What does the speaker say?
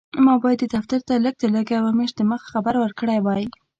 ما باید دفتر ته لږ تر لږه یوه میاشت دمخه خبر ورکړی وای.